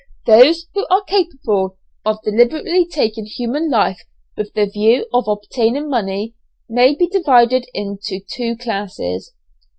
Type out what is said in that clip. Those who are capable of deliberately taking human life with the view of obtaining money, may be divided into two classes.